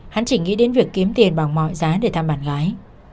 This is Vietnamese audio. hắn chỉ nghĩ đến việc kiếm tiền bằng mọi giá để thăm bạn gái